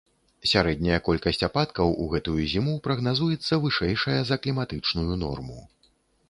Сярэдняя колькасць ападкаў у гэтую зіму прагназуецца вышэйшая за кліматычную норму.